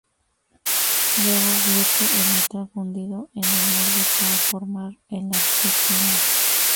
Luego, vierte el metal fundido en el molde para formar el artículo.